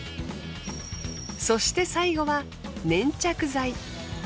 そして最後は粘着剤。